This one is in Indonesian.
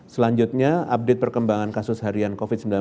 selanjutnya update perkembangan kasus harian covid sembilan belas